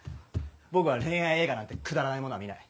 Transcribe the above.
僕は恋愛映画なんてくだらないものは見ない。